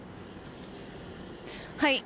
はい。